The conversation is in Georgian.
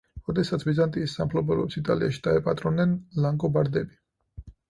როდესაც ბიზანტიის სამფლობელოებს იტალიაში დაეპატრონნენ ლანგობარდები.